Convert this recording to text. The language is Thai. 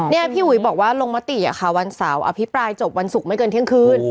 แน่พี่หุยบอกว่าโรงมาติค่ะวันเสาร์อภิปรายจบวันสุคไม่เกินเที่ยงคืน